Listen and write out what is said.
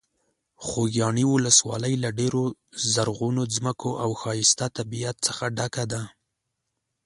خوږیاڼي ولسوالۍ له ډېرو زرغونو ځمکو او ښایسته طبیعت څخه ډکه ده.